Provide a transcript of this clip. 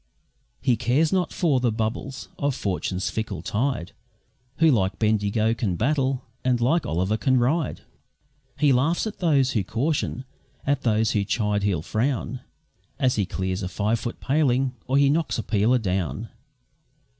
He cares not for the bubbles of Fortune's fickle tide, Who like Bendigo can battle, and like Olliver can ride. He laughs at those who caution, at those who chide he'll frown, As he clears a five foot paling, or he knocks a peeler down.